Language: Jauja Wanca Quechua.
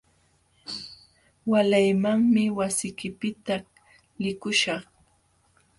Waalaymanmi wasiykipiqta likuśhaq.